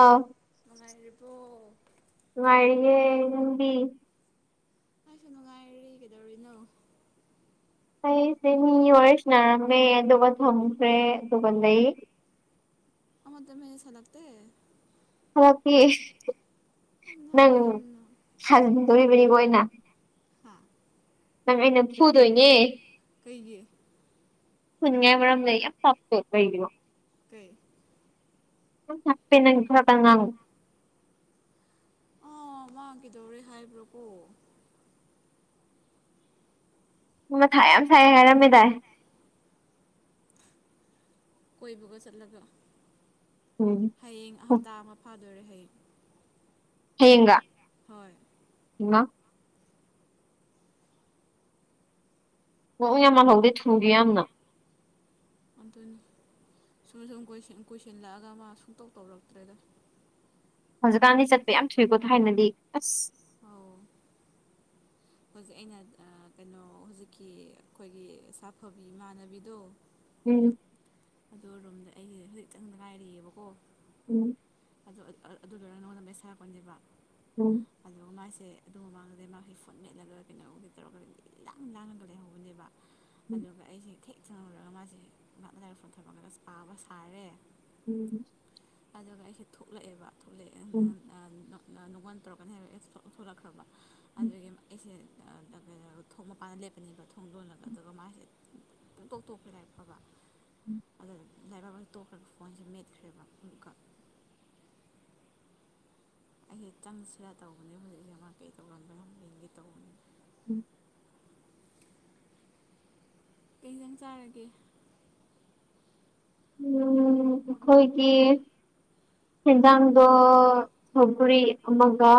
ꯑꯥ ꯅꯨꯡꯉꯥꯏꯔꯤꯕꯣ ꯅꯨꯡꯉꯥꯏꯔꯤꯌꯦ ꯅꯪꯗꯤ ꯑꯩꯁꯨ ꯅꯨꯡꯉꯥꯏꯔꯤ ꯀꯩꯗꯧꯔꯤꯅꯣ ꯑꯩꯁꯦ ꯃꯤ ꯋꯥꯔꯤ ꯁꯥꯅꯔꯝꯃꯦ ꯑꯗꯨꯒ ꯊꯝꯈ꯭ꯔꯦ ꯑꯗꯨꯒ ꯂꯩ ꯑꯃꯗ ꯃꯦꯁꯦꯁ ꯍꯜꯂꯛꯇꯦ ꯍꯜꯂꯛꯄꯤ ꯌꯥꯝ ꯅꯪ ꯂꯥꯛꯑꯦ ꯌꯥꯝꯅ ꯁꯟꯗꯣꯔꯤꯕꯅꯤꯀꯣ ꯑꯩꯅ ꯍꯥ ꯅꯪ ꯑꯩꯅ ꯐꯨꯗꯣꯏꯅꯦ ꯀꯩꯒꯤ ꯄꯨꯟꯌꯥꯃꯨꯂꯝ ꯂꯩ ꯄꯄ ꯀꯩꯣ ꯀꯦ ꯊꯄꯦ ꯅꯈꯗ ꯑ ꯑꯥ ꯃꯥ ꯀꯩꯗꯧꯔꯦ ꯍꯥꯏꯕ꯭ꯔꯣꯀꯣ ꯅ ꯃꯊꯥ ꯌꯥꯝ ꯁꯥꯏ ꯍꯥꯏꯔꯝꯃꯤꯗꯥꯏ ꯀꯣꯏꯕꯒ ꯆꯠꯂꯒ ꯍ ꯍꯌꯦꯡ ꯍꯞꯇꯥ ꯑꯃ ꯐꯥꯗꯣꯔꯦ ꯍꯌꯦꯡ ꯍꯦꯒ ꯍꯣꯏ ꯅꯣꯡ ꯌꯥꯝ ꯃꯥꯜꯍꯧꯗꯦ ꯊꯨꯒꯦ ꯌꯥꯝꯅ ꯑꯗꯨꯅꯤ ꯁꯨꯝ ꯁꯨꯝ ꯀꯣꯏꯁꯤꯜꯂꯛꯑꯒ ꯃꯥ ꯁꯨꯡꯇꯧ ꯇꯧꯔꯛꯇ꯭ꯔꯦꯗ ꯍꯧꯖꯤꯛꯀꯥꯟꯗꯤ ꯆꯠꯄ ꯌꯥꯝ ꯊꯨꯏꯀꯣ ꯊꯥꯏꯅꯗꯤ ꯑꯁ ꯑꯥꯎ ꯍꯧꯖꯤꯛ ꯑꯩꯅ ꯀꯩꯅꯣ ꯍꯧꯖꯤꯛꯀꯤ ꯑꯩꯈꯣꯏꯒꯤ ꯁꯥꯐꯕꯤ ꯏꯃꯥꯟꯅꯕꯤꯗꯣ ꯎꯝ ꯑꯗ ꯔꯣꯝꯗ ꯑꯩꯁ ꯍꯧꯖꯤꯛꯇꯪꯗ ꯉꯥꯏꯔꯤꯛꯑꯦꯕꯀꯣ ꯎꯝ ꯑꯗꯨ ꯂꯣꯏꯔ ꯅꯉꯣꯟꯗ ꯃꯦ ꯁꯥꯔꯛꯄꯅꯦꯕ ꯎꯝ ꯑꯗꯨꯒ ꯃꯥꯁꯦ ꯑꯗꯨ ꯃꯃꯥꯡꯗ ꯃꯥꯁ ꯐꯨꯠ ꯃꯦꯠꯂꯒ ꯀꯩꯅꯣꯒꯤ ꯇꯧꯔꯒ ꯂꯥꯡ ꯂꯥꯡꯉꯒ ꯂꯩꯍꯧꯕꯅꯦꯕ ꯑꯗꯨꯒ ꯑꯩꯁꯦ ꯊꯦꯛ ꯊꯪꯍꯨꯔꯒ ꯃꯥꯁꯤꯦ ꯉꯍꯥꯛꯅ ꯂꯥꯏꯔꯤꯛꯁꯨ ꯊꯃꯛꯂꯒ ꯄꯥꯕ ꯁꯥꯔꯦ ꯎꯝ ꯀ ꯖꯒꯥꯁꯦ ꯊꯣꯛꯂꯛꯑꯦꯕ ꯊꯣꯛꯂꯛꯑꯦ ꯎꯝ ꯎꯝ ꯅꯨꯡꯉꯣꯟꯜ ꯇꯧꯔꯛꯀꯅꯤ ꯍꯥꯏꯕ ꯊꯣꯛꯂꯛꯈ꯭ꯔꯕ ꯑꯗꯨꯗꯒꯤ ꯑꯩꯁꯦ ꯊꯣꯡ ꯃꯄꯥꯟꯗ ꯂꯦꯞꯄꯅꯤꯕ ꯊꯣꯡ ꯂꯣꯜꯂꯒ ꯑꯗꯨꯒ ꯃꯥꯁꯦꯣꯡ ꯇꯣꯛ ꯇꯣꯛꯄ ꯂꯥꯏꯔꯤꯛ ꯐꯕ ꯎꯝ ꯑꯗꯨꯗ ꯂꯥꯏꯕꯛꯕ ꯇꯣꯛꯈ꯭ꯔꯒ ꯐꯣꯟꯁꯦ ꯃꯦꯠꯈ꯭ꯔꯦꯕ ꯑꯃꯛꯈꯛ ꯑꯩꯦ ꯆꯪꯁꯤꯔꯥ ꯇꯧꯕꯅꯦ ꯍꯧꯖꯤꯛ ꯃꯄꯦ ꯇꯧꯔꯝꯗ꯭ꯔꯥ ꯕꯦꯡꯒꯤ ꯇꯧꯕꯅꯦ ꯎꯝ ꯀꯩꯖꯪ ꯆꯥꯔꯒꯦ ꯎꯝ ꯑꯩꯈꯣꯏꯒꯤ ꯁꯦꯟꯗꯥꯥꯡꯗ ꯁꯧꯒꯔꯤ ꯑꯃꯒ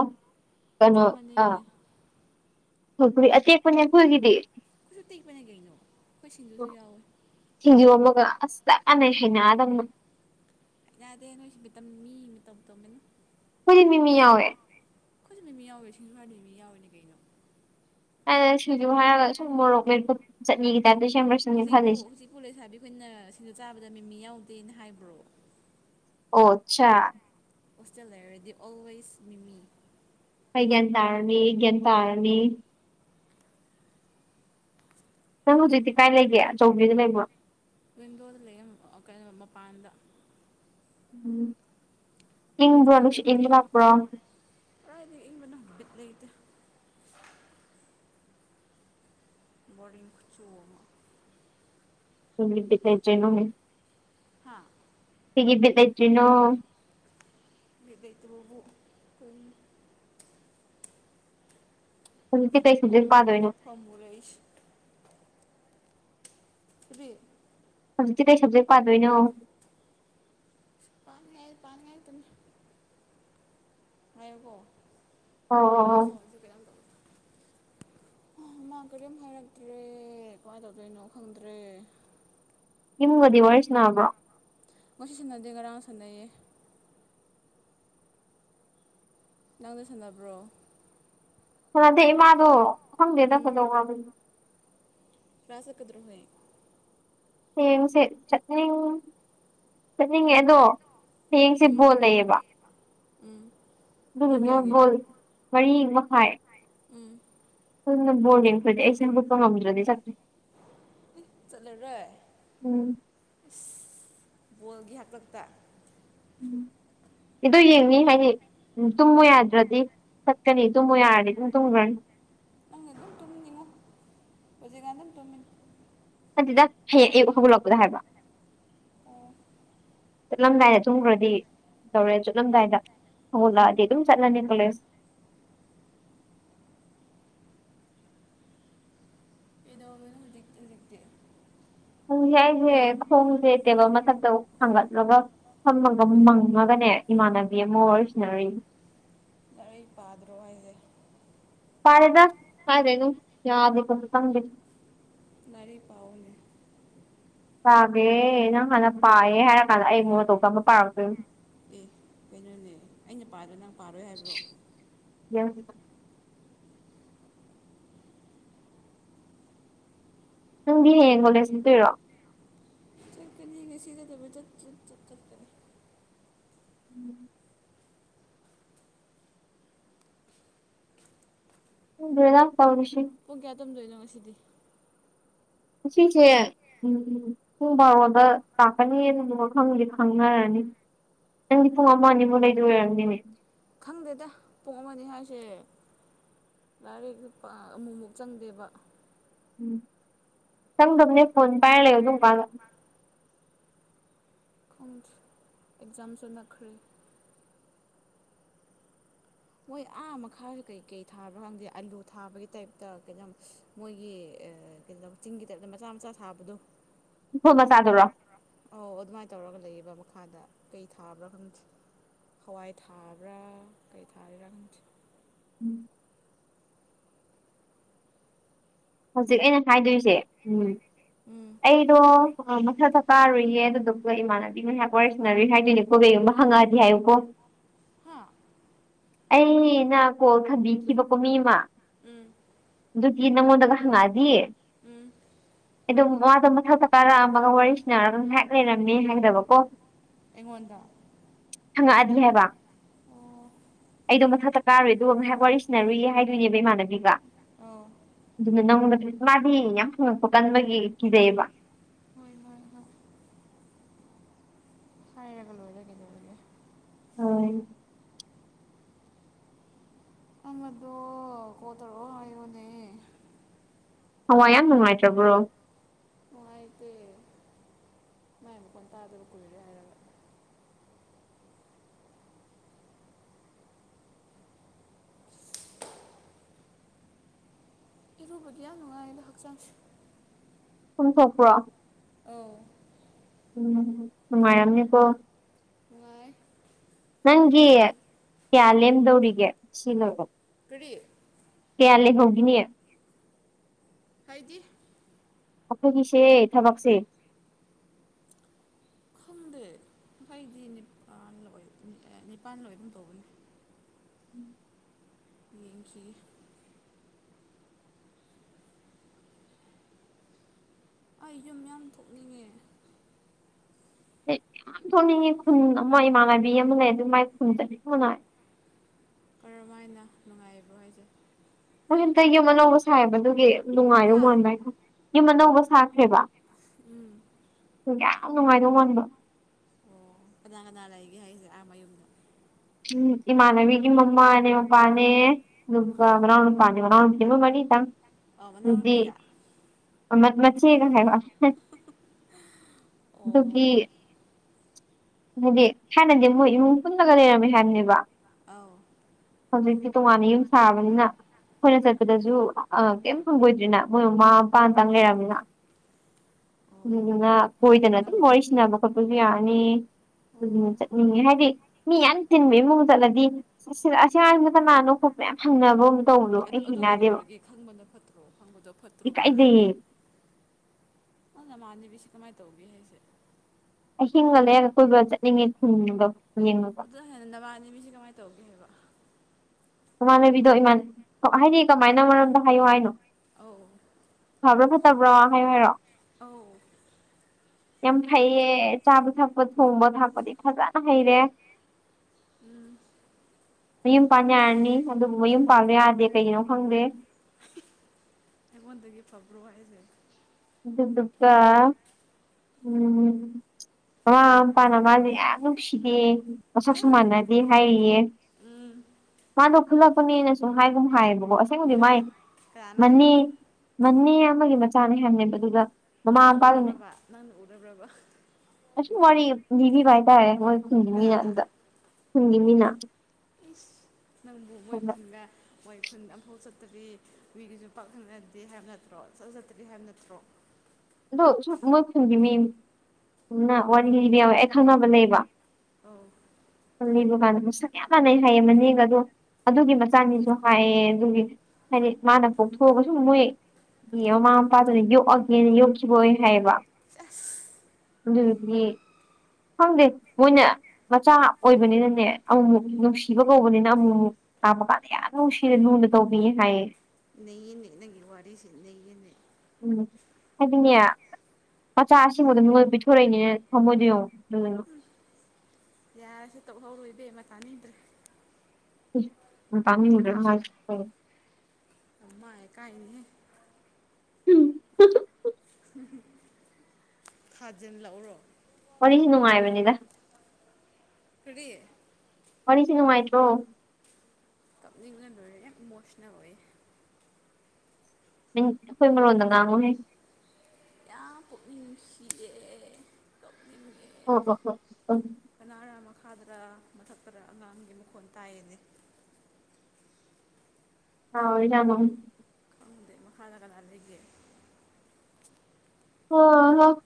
ꯀꯩꯅꯣ ꯆꯞ ꯑ ꯃꯥꯟꯅꯩꯅꯦ [unintelligible] ꯀꯈꯣꯏꯁꯨ ꯇꯦꯛꯄꯅꯦ ꯀꯩꯅꯣ ꯑꯩꯈꯣꯏ ꯁꯤꯡꯗꯨꯁꯨ ꯌꯥꯎꯋꯦ ꯍꯤꯖꯣ ꯑꯃꯒ ꯑꯁ ꯆꯛꯀꯥꯟꯅꯩ ꯍꯩꯅꯗꯕꯅ ꯌꯥꯗꯦ ꯅꯣꯏ ꯁꯃꯤꯇꯝ ꯃꯤ ꯃꯇꯧ ꯇꯧꯃꯤꯅꯤ ꯑꯩꯈꯣꯏꯗꯤ ꯃꯤꯃꯤ ꯌꯥꯎꯋꯦ ꯑꯩꯈꯣꯏꯁꯨ ꯃꯤꯃꯤ ꯌꯥꯎꯋꯦ ꯁꯤꯡꯖ ꯍꯠ ꯅꯨ ꯃꯤꯃꯤ ꯌꯥꯎꯋꯦꯅꯦ ꯀꯩꯅꯣ ꯑꯗꯨꯅ ꯁꯤꯁꯨ ꯍꯥꯏꯔꯒ ꯁꯨꯝ ꯃꯣꯔꯣꯛ ꯃꯦꯀ ꯆꯠꯅꯤꯒꯤ ꯇꯥꯏꯞꯇ ꯁꯦꯝ꯭ꯔ ꯍꯧꯖꯤꯛꯄꯨ ꯍꯧꯖꯤꯛꯄꯨ ꯂꯩꯁꯥꯕꯤ ꯑꯩꯈꯣꯏꯅ ꯁꯤꯡꯗ ꯆꯥꯕꯗ ꯃꯤꯃꯤ ꯌꯥꯎꯗꯦꯅ ꯍꯥꯏꯕ꯭ꯔꯣ ꯑꯣꯛꯁ ꯍꯣꯁꯇꯦꯜ ꯍꯥꯏꯔꯗꯤ ꯑꯣꯜꯋꯦꯁ ꯃꯤꯃꯤ ꯑꯩꯩ ꯒꯥꯟ ꯇꯥꯔꯅꯤ ꯒꯥꯟ ꯇꯥꯔꯅꯤ ꯅꯪ ꯍꯧꯖꯤꯛꯇꯤ ꯀꯥꯏ ꯂꯩꯒꯦ ꯑꯆꯧꯕꯤꯒ ꯂꯩꯕ꯭ꯔꯣ ꯋꯤꯟꯗꯣꯗ ꯂꯩꯔ ꯀꯩꯅꯣ ꯃꯄꯥꯟꯗ ꯎꯝ ꯏꯪꯕ꯭ꯔꯣ ꯅꯨꯡꯁꯤꯠ ꯑꯌꯤꯡꯕꯗꯤ ꯂꯥꯛꯄ꯭ꯔꯣ ꯀꯗꯥꯥꯏꯗ ꯏꯪꯕꯅꯣ ꯕꯤꯠ ꯂꯩꯇꯦ ꯕꯣꯔꯗꯤꯡ ꯊꯣꯛꯑꯕꯣ ꯗꯤ ꯀꯥꯏꯖꯩꯅꯣ ꯍꯥꯥ ꯁꯤꯒꯤꯕꯤꯠ ꯂꯩꯇ꯭ꯔꯤꯅꯣ ꯗꯕ ꯇ꯭ꯔꯕ ꯀ [inaudible] ꯃꯣꯗ ꯐꯃꯔꯁ ꯇꯦ ꯍꯧꯖꯤꯛꯇꯤ ꯀꯩ ꯁꯕꯖꯦꯛ ꯄꯥꯗꯣꯏꯅꯣ ꯄꯥꯟ ꯉꯥꯏ ꯄꯥꯟ ꯉꯥꯏ ꯇꯃꯤ ꯍꯥꯏꯕꯣ ꯑꯣ ꯑꯩ ꯑꯣ ꯐꯣꯟꯁꯨ ꯀꯌꯥꯝꯝꯕꯧꯣ ꯃꯥ ꯀꯔꯤꯝ ꯍꯥꯏꯔꯛꯇ꯭ꯔꯦ ꯀꯃꯥꯏꯅ ꯇꯧꯗꯣꯏꯅꯣ ꯈꯪꯗ꯭ꯔꯦ ꯌꯨꯝꯒꯗꯤ ꯋꯥꯔꯤ ꯁꯅꯅꯥꯕ꯭ꯔꯣ ꯀꯣꯏ ꯁꯤ ꯁꯥꯟꯅꯗꯦ ꯉꯔꯥꯡ ꯁꯥꯟꯅꯩꯌꯦ ꯅꯪꯅ ꯁꯥꯟꯅꯕ꯭ꯔꯣ ꯍꯗꯦ ꯏꯃꯥꯗꯣ ꯈꯪꯗꯦꯗ ꯀꯩꯗꯧꯕꯅꯤ ꯇ꯭ꯔꯥꯁꯥ ꯀꯗ꯭ꯔꯣꯌꯦ ꯡꯁꯦ ꯆꯠꯅꯤꯡ ꯆꯠꯅꯤꯡꯉꯦ ꯑꯗꯣ ꯍꯌꯦꯡꯁꯦ ꯎꯝ ꯕꯣꯜ ꯂꯩꯌꯦꯕ ꯎꯝ ꯄꯨꯡ ꯑꯗꯨꯗꯨꯅ ꯀꯌꯥꯒꯤ ꯕꯣꯜ ꯃꯔꯤ ꯃꯈꯥꯏ ꯎꯝ ꯅꯤꯡ ꯑꯦꯁ ꯕꯨꯛ ꯑꯃꯗꯤ ꯆꯦ ꯆꯠꯂꯔꯦ ꯎꯝ ꯐ ꯕꯣꯜꯒꯤ ꯍꯥꯛꯇꯛꯇ [inaudible] ꯏꯗꯣ ꯌꯦꯡꯅꯤ ꯍꯥꯏꯗꯤ ꯇꯨꯝꯃꯨ ꯌꯥꯗ꯭ꯔꯗꯤ ꯆꯠꯀꯅꯤ ꯇꯨꯝꯃꯨ ꯌꯥꯔꯗꯤ ꯑꯗꯨꯝ ꯇꯨꯝꯈ꯭ꯔꯅꯤ ꯍꯧꯖꯤꯦꯒ ꯅ ꯇꯃꯤ ꯑꯗꯨꯗ ꯍꯌꯦ ꯑꯌꯨ ꯋꯥꯈꯒꯠꯂꯛꯄꯗ ꯍꯥꯏꯕ ꯑꯣ ꯆꯠꯂꯝꯗꯥꯏꯗ ꯑꯗꯨꯨꯝꯈ꯭ꯔꯗꯤ ꯇꯧꯔꯦ ꯆꯠꯂꯝꯗꯥꯏꯗ ꯍꯧꯒꯠꯂꯛꯑꯗꯤ ꯑꯗꯨꯝ ꯆꯠꯂꯅꯤ ꯀꯣꯂꯦꯖ ꯀꯩꯗꯧꯕꯧꯕꯅ ꯍꯧꯖꯤꯛꯇ ꯍꯧꯖꯤꯛꯇꯤ ꯄꯣꯡꯁꯦ ꯑꯩꯁꯦ ꯈꯣꯡꯁꯦ ꯇꯦꯕ ꯃꯊꯛꯇ ꯍꯥꯡꯒꯠꯂꯒ ꯐꯝꯃꯒ ꯃꯪꯉꯒꯅꯦ ꯏꯃꯥꯟꯅꯕꯤ ꯑꯃ ꯑꯣꯏꯁꯤꯅꯔꯤ ꯂꯥꯏꯔꯛ ꯄꯥꯗ꯭ꯔꯣ ꯍꯥꯏꯁꯦ ꯄꯥꯔꯦꯗ ꯍꯥꯏꯗꯦꯅ ꯌꯥ ꯇꯝꯦ ꯂꯔꯤꯛ ꯄꯥꯎꯅꯦ ꯄꯥꯒꯦ ꯅꯪ ꯍꯥꯟꯅ ꯄꯥꯌꯦꯦ ꯍꯥꯏꯔ ꯀꯥꯟꯗ ꯑꯩ ꯃꯉꯛ ꯃꯇꯇꯧꯇ ꯑꯃ ꯄꯥꯔꯛꯇꯣꯏꯅ ꯑꯦ ꯀꯩꯅꯣꯅꯦ ꯑꯩꯅ ꯄꯥꯗ ꯅꯪ ꯄꯥꯔꯣꯏ ꯍꯥꯏꯕ꯭ꯔꯣ ꯌꯦ ꯅꯪꯗꯤ ꯍꯌꯦꯡ ꯀꯣꯂꯦꯖ ꯅꯠꯇꯣꯏꯔꯣ ꯁꯤꯒꯦ ꯁꯤꯒꯗꯕꯤ ꯆꯠ ꯆꯠ ꯆꯠꯀꯅꯤ ꯎꯝ ꯎꯗ ꯂ ꯇꯧ ꯅꯤꯁꯤ ꯄꯨꯡ ꯀꯌꯥ ꯇꯝꯗꯣꯏꯅꯣ ꯉꯁꯤꯗꯤ ꯁꯤꯁꯦ ꯎꯝ ꯄꯨꯡ ꯕꯥꯔꯣꯗ ꯇꯥꯛꯀꯅꯤ ꯋꯥꯪꯁ ꯈꯪꯅꯔꯅꯤ ꯅꯪꯗꯤ ꯄꯨꯡ ꯑꯃ ꯑꯅꯤꯃꯨꯛ ꯂꯩꯗ ꯑꯣꯏꯔꯝꯅꯤꯅꯦ ꯅꯪꯗꯦꯗ ꯄꯣꯛꯑꯝꯃꯅꯤ ꯍꯥꯏꯁꯦ ꯂꯥꯏꯔꯤꯛꯇ ꯑꯃꯨꯛꯃꯨꯛ ꯆꯪꯗꯦꯕ ꯎꯝ ꯁꯪ ꯇꯝꯅꯦ ꯐꯣꯟ ꯄꯥꯏ ꯂꯩ ꯑꯗꯨ ꯀꯒ ꯣꯡ ꯑꯦꯛꯖꯥꯝꯁꯨ ꯅꯛꯈ꯭ꯔꯦ ꯃꯣꯏ ꯑꯥ ꯃꯈꯥꯗ ꯀꯩꯀꯩ ꯊꯥꯕꯅ‌ꯣ ꯈꯪꯗꯦ ꯑꯂꯨ ꯊꯥꯕꯒꯤ ꯇꯥꯏꯞꯇ ꯀꯩꯅ‌ꯣ ꯃꯣꯏꯒꯤ ꯀꯩꯅ‌ꯣ ꯆꯤꯡꯒꯤ ꯇꯥꯏꯞꯇ ꯃꯆꯥ ꯃꯆꯥ ꯁꯥꯕꯗꯣ [unintelligible] ꯃꯆꯥꯗꯨꯔꯣ ꯑꯧ ꯑꯗꯨꯃꯥꯏꯅ ꯇꯧꯔꯒ ꯂꯩꯌ‌ꯦꯕ ꯃꯈꯥꯗ ꯀꯩ ꯊꯥꯕꯅ‌ꯣ ꯈꯪꯗꯦ ꯍꯋꯥꯏ ꯊꯥꯕ꯭ꯔꯥ ꯀꯩ ꯊꯥꯔꯤꯔꯥ ꯈꯪꯗ‌ꯦ ꯍꯧꯖꯤꯛ ꯑꯩꯅ ꯍꯥꯏꯗꯣꯏꯁꯦ ꯎꯝ ꯎꯝ ꯑꯩꯗꯣ ꯑ ꯃꯊꯛꯇ ꯀꯥꯔꯨꯏꯌꯦ ꯑꯗꯨꯗꯨꯒ ꯏꯃꯥꯟꯅꯕꯤ ꯉꯥꯏꯍꯥꯛ ꯋꯥꯔꯤ ꯁꯥꯟꯅꯔꯨꯏ ꯍꯥꯏꯗꯣꯏꯅꯦꯀꯣ ꯀꯩꯒꯨꯝꯕ ꯍꯪꯉꯛꯑꯗꯤ ꯍꯥꯏꯌꯨꯀꯣ ꯍꯥ ꯑꯩꯅ ꯀꯣꯜ ꯊꯝꯕꯤꯈꯤꯕꯀꯣ ꯃꯤ ꯑꯃ ꯎꯝ ꯑꯗꯨꯗꯤ ꯅꯪꯉꯣꯟꯗꯒ ꯍꯪꯉꯛꯑꯗꯤ [unintelligible] ꯑꯗꯨꯝ ꯃꯥꯗꯣ ꯃꯊꯛꯇ ꯀꯥꯔꯛꯑꯝꯃꯒ ꯋꯥꯔꯤ ꯁꯥꯟꯅꯔꯒ ꯉꯥꯏꯍꯥꯛ ꯂꯩꯔꯝꯃ‌ꯦ ꯍꯥꯏꯒꯗꯕꯀꯣ ꯑꯩꯉꯣꯟꯗ ꯍꯪꯉꯛꯑꯗꯤ ꯍꯥꯏꯕ ꯑꯣ ꯑꯩꯗꯣ ꯃꯊꯛꯇ ꯀꯥꯔꯨꯏ ꯑꯗꯨꯒ ꯉꯥꯏꯍꯥꯛ ꯋꯥꯔꯤ ꯁꯥꯟꯅꯔꯨꯏꯌꯦ ꯍꯥꯏꯗꯣꯏꯅꯦꯕ ꯏꯃꯥꯟꯅꯕꯤꯒ ꯑꯣ ꯑꯗꯨꯅ ꯅꯪꯉꯣꯟꯗ ꯃꯥꯗꯤ ꯌꯥꯝ ꯍꯪꯉꯛꯄ ꯀꯟꯕꯒꯤ ꯀꯤꯖꯩ‌ꯌ‌ꯦꯕ ꯍꯣꯏ ꯍꯣꯏ ꯍꯣꯏ ꯍꯥꯏꯔꯒ ꯂꯣꯏꯔꯦ ꯀꯩꯗꯧꯔꯒ‌ꯦ ꯍ‌ꯣꯏ ꯅꯪ ꯑꯗ‌ꯣ ꯀꯣꯜ ꯇꯧꯔꯛꯑꯣ ꯍꯥꯏꯌ‌ꯣꯅ‌ꯦ ꯊꯋꯥꯏ ꯌꯥꯝ ꯅꯨꯡꯉꯥꯏꯇ꯭ꯔꯕ꯭ꯔꯣ ꯅꯨꯡꯉꯥꯏꯇ‌ꯦ ꯃꯅꯥ ꯐ‌ꯣꯟ ꯄꯥꯏꯗꯕ ꯀꯨꯏꯔ‌ꯦ ꯍꯥꯏꯔꯒ ꯏꯔꯨꯕꯗꯤ ꯌꯥꯝ ꯅꯨꯡꯉꯥꯏꯌꯦꯗ ꯍꯛꯆꯥꯡꯁꯦ ꯆꯨꯝꯊꯣꯛꯄ꯭ꯔꯣ ꯑꯧ ꯎꯝ ꯅꯨꯡꯉꯥꯏꯔꯝꯅꯤꯀꯣ ꯅꯨꯡꯉꯥꯏꯌ‌ꯦ ꯅꯪꯒꯤ ꯀꯌꯥ ꯂꯦꯝꯗꯧꯔꯤꯒꯦ ꯁꯤ ꯂꯣꯏ ꯀꯔꯤ ꯀꯌꯥ ꯂꯩꯍꯧꯒ‌ꯦꯅ‌ꯦ ꯍꯥꯏꯗꯤ ꯑꯩꯈꯣꯏꯒꯤꯁꯦ ꯊꯕꯛꯁꯦ ꯈꯪꯗꯦ ꯑꯩꯗꯤ ꯅꯤꯄꯥꯥꯟ ꯂꯣꯏ ꯅꯤꯄꯥꯥꯟ ꯂꯣꯏ ꯒꯨꯝ ꯇꯧꯕꯅꯤ ꯌꯦꯡꯁꯤ ꯑꯩ ꯌꯨꯝ ꯌꯥꯝ ꯊꯣꯛꯅꯤꯡꯉꯦ ꯌꯨꯝ ꯊꯣꯛꯅꯤꯡꯉ‌ꯦ ꯈꯨꯟ ꯑꯃ ꯏꯃꯥꯟꯅꯕꯤ ꯑꯃ ꯂꯩ ꯑꯗꯨ ꯃꯥꯏ ꯈꯨꯟ ꯆꯠꯅꯤꯡꯕꯅ ꯀꯔꯝ ꯍꯥꯏꯅ ꯅꯨꯡꯉꯥꯏꯕꯔ‌ꯣ ꯍꯥꯏꯖ‌ꯦ ꯃ‌ꯣꯏ ꯍꯟꯗꯛ ꯌꯨꯝ ꯑꯅꯧꯕ ꯁꯥꯥꯏꯌꯦꯕ ꯑꯗꯨꯒꯤ ꯅꯨꯡꯉꯥꯏꯗꯧ ꯃꯥꯟꯕ ꯍꯥꯏꯇꯔ‌ꯦ ꯌꯨꯝ ꯑꯅꯧꯕ ꯁꯥꯈ꯭ꯔꯦꯕ ꯎꯝ ꯌꯥꯝ ꯅꯨꯡꯉꯥꯏꯗꯧ ꯃꯥꯟꯕ ꯀꯅꯥ ꯀꯅꯥ ꯂꯩꯒꯦ ꯍꯥꯏꯁꯦ ꯑꯥ ꯃꯌꯨꯝꯗ ꯎꯝ ꯏꯃꯥꯟꯅꯕꯤꯒꯤ ꯃꯃꯥꯅꯦ ꯃꯄꯥꯅꯦ ꯑꯗꯨꯒ ꯃꯅꯥꯎꯅꯨꯄꯥ ꯅ‌ꯦ ꯃꯅꯥꯎꯅꯨꯄꯤ ꯅ‌ꯦ ꯃ‌ꯣꯏ ꯃꯔꯤꯗꯪ ꯑꯗꯨꯗꯤ ꯃ ꯃꯆ‌ꯦ ꯍꯥꯏꯕ ꯑꯗꯨꯒꯤ ꯍꯥꯏꯗꯤ ꯊꯥꯏꯅꯗꯤ ꯃꯣꯏ ꯏꯃꯨꯡ ꯄꯨꯜꯂꯒ ꯂꯩꯔꯝꯃꯦ ꯍꯥꯏꯕꯅ‌ꯦꯕ ꯑꯥꯎ ꯍꯧꯖꯤꯛꯇꯤ ꯇꯣꯉꯥꯟꯅ ꯌꯨꯝ ꯁꯥꯕꯅꯤꯅ ꯑꯩꯈꯣꯏꯅ ꯆꯠꯄꯗꯁꯨ ꯑ ꯀꯩꯝ ꯐꯪꯒꯣꯏꯗ꯭ꯔꯤꯅ ꯃꯣꯏ ꯃꯃꯥ ꯃꯄꯥ ꯑꯇꯥꯡ ꯂꯩꯔꯝꯃꯤꯅ ꯑꯗꯨꯗꯨꯅ ꯀꯣꯏꯗꯅ ꯑꯗꯨꯝ ꯋꯥꯔꯤ ꯁꯥꯟꯅꯕ ꯈꯣꯠꯄꯁꯨ ꯌꯥꯔꯅꯤ ꯎꯝ ꯆꯠꯅꯤꯡꯉꯦ ꯍꯥꯏꯗꯤ ꯃꯤ ꯌꯥꯝ ꯇꯤꯟꯕ ꯏꯃꯨꯡꯗ ꯆꯠꯂꯗꯤ ꯑꯁ ꯑꯁꯤ ꯑꯉꯥꯡꯖꯤꯅ ꯀꯅꯥꯅꯣ ꯈꯣꯠꯄ ꯌꯥꯝ ꯍꯪꯅꯕ ꯑꯃ ꯇꯧꯕꯗꯣ ꯑꯦ ꯑꯩ ꯑꯗꯨ ꯍꯩꯅꯗꯦꯕ ꯀꯩꯗꯧꯔꯒꯦ ꯈꯪꯕꯅ ꯐꯠꯇ꯭ꯔꯣ ꯈꯪꯕꯗꯣ ꯐꯠꯇ꯭ꯔꯣ ꯀꯩꯗꯧꯔꯒꯦ ꯏꯀꯥꯏꯖꯩꯌꯦ ꯅꯪ ꯅꯃꯥꯟꯅꯕꯤꯁꯤ ꯀꯃꯥꯏ ꯇꯧꯒꯦ ꯍꯥꯏꯁꯦ ꯑꯍꯤꯡꯒ ꯂꯦꯛꯑꯒ ꯀꯣꯏꯕ ꯆꯠꯅꯤꯡꯉꯦ ꯈꯨꯟꯗꯣ ꯌꯦꯡꯉꯒ ꯑꯗꯨ ꯍꯦꯟꯅ ꯅꯕꯥꯅꯕꯤꯁꯤ ꯀꯃꯥꯏ ꯇꯧꯒꯦ ꯍꯥꯏꯕ ꯏꯃꯥꯟꯅꯕꯤꯗꯣ ꯏꯃꯥꯟ ꯍꯥꯏꯗꯤ ꯀꯃꯥꯏꯅ ꯃꯔꯝꯗꫭ ꯍꯥꯏꯌꯣ ꯍꯥꯏꯅꯣ ꯑꯧ ꯐꯕ꯭ꯔꯥ ꯐꯠꯇꯕ꯭ꯔꯥ ꯍꯥꯏꯌꯣ ꯍꯥꯏꯔꯣ ꯑꯧ ꯌꯥꯝ ꯐꯩꯌꯦ ꯆꯥꯕ ꯊꯛꯄ ꯊꯣꯡꯕ ꯊꯥꯛꯄꯗꯤ ꯐꯖꯅ ꯍꯩꯔꯦ ꯎꯝ ꯃꯌꯨꯝ ꯄꯥꯟ ꯌꯥꯔꯅꯤ ꯑꯗꯨꯕꯨ ꯃꯌꯨꯝ ꯄꯥꯟꯕ ꯌꯥꯗꯦ ꯀꯩꯒꯤꯅꯣ ꯈꯪꯗꯦ ꯑꯩꯉꯣꯟꯗꯒꯤ ꯐꯕ꯭ꯔꯣ ꯍꯥꯏꯁꯦ ꯑꯗꯨꯗꯨꯒ ꯎꯝ ꯃꯃꯥ ꯃꯄꯥꯅ ꯃꯥꯁꯦ ꯌꯥꯝ ꯅꯨꯡꯁꯤꯗꯦ ꯃꯁꯛꯁꯨ ꯃꯥꯟꯅꯗꯦ ꯍꯥꯏꯔꯤꯌꯦ ꯃꯥꯗꯣ ꯈꯨꯜꯂꯛꯄꯅꯦꯅꯁꯨ ꯍꯥꯏꯒꯨꯝ ꯍꯥꯏꯌꯦꯕꯀꯣ ꯑꯁꯦꯡꯕꯗꯤ ꯃꯥꯏ ꯃꯅꯦ ꯃꯅꯦ ꯑꯃꯒꯤ ꯃꯆꯥꯅꯦ ꯍꯥꯏꯕꯅꯦꯕ ꯑꯗꯨꯗ ꯃꯃꯥ ꯅꯪꯅ ꯃꯄꯥꯗꯨꯅ ꯎꯔꯕ꯭ꯔꯕ ꯅꯪꯅ ꯎꯔꯕ꯭ꯔꯕ ꯑꯁꯨꯝ ꯋꯥꯔꯤ ꯂꯤꯕꯤꯕ ꯍꯥꯏꯇꯥꯔꯦ ꯃꯣꯏ ꯈꯨꯟꯒꯤ ꯃꯤꯅ ꯑꯗ ꯈꯨꯟꯒꯤ ꯃꯤꯅ ꯅꯪꯕꯨ ꯃꫭꯏ ꯈꯨꯟꯗ ꯃꯣꯏ ꯈꯨꯟ ꯑꯝꯐꯥꯎ ꯆꯠꯇ꯭ꯔꯤ ꯃꯤꯒꯤꯁꯨ ꯄꯥꯛꯊꯪꯅꯗꯦ ꯍꯥꯏꯕ ꯅꯠꯇ꯭ꯔꯣ ꯆꯠꯂ ꯆꯠꯇ꯭ꯔꯤ ꯍꯥꯏꯕ ꯅꯠꯇ꯭ꯔꯣ ꯑꯗꯣ ꯁꯨꯝ ꯃꯣꯏ ꯈꯨꯟꯒꯤ ꯃꯤꯅ ꯋꯥꯔꯤ ꯂꯤꯕ ꯌꯥꯎꯋꯦ ꯑꯩ ꯈꯪꯅꯕ ꯂꯩꯕ ꯑꯧ ꯂꯤꯕ ꯀꯥꯟꯗ ꯃꯁꯛ ꯌꯥꯝ ꯃꯥꯟꯅꯩ ꯍꯥꯏꯌꯦ ꯃꯅꯦꯒ ꯑꯗꯣ ꯑꯗꯨꯒꯤ ꯃꯆꯥꯅꯤꯁꯨ ꯍꯥꯏꯌꯦ ꯑꯗꯨꯒꯤ ꯍꯥꯏꯗꯤ ꯃꯥꯅ ꯄꫭꯛꯊꯣꯛꯑꯒꯁꯨꯨꯝ ꯃꯣꯏ ꯌꯦ ꯃꯃꯥ ꯃꯄꯥꯗꯨꯅ ꯌꯣꯛꯑꯒꯦꯅ ꯌꯣꯛꯈꯤꯕꯣꯏ ꯍꯥꯏꯌꯦꯕ ꯑꯗꯨꯗꯨꯗꯤ ꯈꯪꯗꯦ ꯃꯣꯏꯅ ꯃꯆꯥ ꯑꯣꯏꯕꯅꯤꯅꯅꯦ ꯑꯃꯨꯃꯨꯛ ꯅꯨꯡꯁꯤꯕ ꯀꯧꯕꯅꯤꯅ ꯑꯃꯨꯃꯨꯛ ꯀꯥ ꯃꯀꯥꯗ ꯌꯥꯝ ꯅꯨꯡꯁꯤꯅ ꯂꯨꯅ ꯇꯧꯕꯤꯌꯦ ꯍꯥꯏꯌꯦ ꯅꯩꯌꯦꯅꯦ ꯅꯪꯒꯤ ꯋꯥꯔꯤꯁꯦ ꯅꯌꯦꯅꯦ ꯎꯝ ꯍꯥꯏꯗꯤꯅꯦ ꯃꯆꯥ ꯑꯁꯤꯡꯕꯗꫭ ꯃꯤꯉꯣꯟꯗ ꯄꯤꯊꯣꯔꯛꯏꯅꯦ ꯊꯝꯃꯣꯏꯗꫭ ꯌꯦꯡꯉꯣ ꯑꯗꯨ ꯌꯥꯔꯦꯁꯦ ꯇꫭꯛꯍꯧꯔꯣ ꯏꯕꯦꯝꯃ ꯇꯥꯅꯤꯡꯗ꯭ꯔꯦ [unintelligible] ꯅꯃꯥꯏꯒ ꯀꯥꯏꯅꯤꯍꯦ [unintelligible] ꯊꯥꯖꯤꯟ ꯂꯛꯎꯔꯣ ꯋꯥꯔꯤ ꯅꯨꯡꯉꯥꯏꯕꯅꯤꯗ ꯀꯔꯤ ꯋꯥꯔꯤꯁꯤ ꯅꯨꯡꯉꯥꯏꯇ꯭ꯔꯣ ꯀꯞꯅꯤꯡꯉ ꯂꯣꯏꯔꯦꯍꯦ ꯏꯃꯣꯁꯅꯦꯜ ꯑꯣꯏꯌꯦ ꯅꯪ ꯑꯩꯈꯣꯏ ꯃꯔꯣꯟꯗ ꯉꯥꯡꯉꯨꯍꯦ ꯌꯥꯝ ꯄꯨꯛꯅꯤꯡ ꯅꯨꯡꯁꯤꯌꯦ ꯀꯞꯅꯤꯡꯉꯦ ꯍꫭ ꯍꯣ ꯍꯣꯏ ꯎꯝ ꯀꯅꯥꯔ ꯃꯈꯥꯗꯔ ꯃꯊꯛꯇꯔ ꯑꯉꯥꯡꯒꯤ ꯃꯈꯣꯟ ꯇꯥꯏꯌꯦꯅꯦ ꯑ ꯑꯣꯏꯔꯃ [inaudible] [unintelligible] ꯃꯈꯗ ꯀꯥꯅ ꯂꯩꯒꯦ ꯑꯣ ꯍ [unintelligible] [inaudible]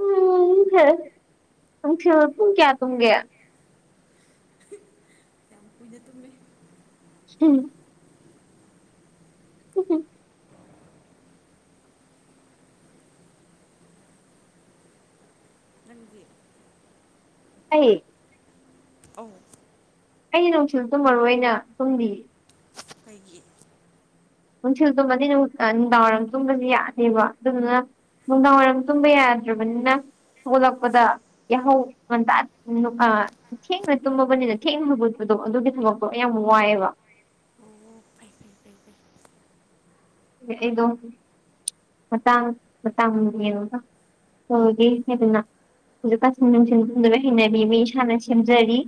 ꯎꯝ ꯎ ꯐꯔꯪ ꯄꯨꯡ ꯀꯌꯥ ꯇꯝꯒꯦ ꯌꯥꯝ ꯀꯨꯏꯅ ꯇꯨꯝꯃꯦ ꯎꯝ [unintelligible] [inaudible] ꯎꯝ ꯍꯨꯝ [unintelligible] [inaudible] ꯅꯪꯒꯤ ꯑꯩ ꯑ [unintelligible] [inaudible] ꯑꯩ ꯅꯨꯡꯁꯤꯜ ꯇꯨꯝꯃꯣꯏꯅ ꯇꯨꯝꯗꯤ ꯑꯩꯈꯣꯏꯒꯤ ꯅꯨꯡꯊꯤꯜ ꯆꯨꯝꯕꯗꯤ ꯅꯨꯡꯗꯥꯡ ꯋꯥꯏꯔꯝ ꯆꯨꯝꯕꯕꯁꯤ ꯌꯥꯅꯦꯦꯕ ꯑꯗꯨꯗꯨꯅ ꯅꯨꯡꯗꯥꯡꯋꯥꯏꯔꯝ ꯇꯨꯝꯕ ꯌꯥꯗ꯭ꯔꯕꯅꯤꯅ ꯊꯣꯛꯂꯛꯄꯗ ꯌꯥꯍꯧ ꯉꯟꯇꯥ ꯑ ꯊꯦꯡꯅ ꯇꯨꯝꯃꯕꯅꯤꯅ ꯊꯦꯡꯅ ꯍꯧꯒꯠꯄꯗꯣ ꯑꯗꯨꯒꯤ ꯊꯕꯛꯇꯣ ꯌꯥꯝ ꯋꯥꯏꯑꯦꯕ ꯑꯣ ꯐꯩ ꯐꯩ ꯐꯩ ꯐꯩ ꯑꯩꯗꯣ ꯃꯇꯥꯡ ꯃꯇꯥꯡꯅꯤ ꯑꯗꯨꯒ ꯇꯧꯒꯦ ꯍꯥꯏꯗꯅ ꯍꯧꯖꯤꯛꯀꯥꯁꯤꯟ ꯅꯨꯡꯊꯤ ꯊꯨꯝꯗꯨꯕ ꯍꯩꯅꯕꯤ ꯃꯤ ꯏꯁꯥꯅ ꯁꯦꯝꯖꯔꯤ